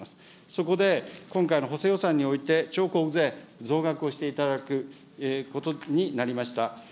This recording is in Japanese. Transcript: そこで今回の補正予算において、地方交付税、増額をしていただくことになりました。